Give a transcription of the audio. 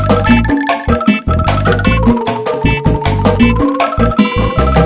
orang benar labu lupanya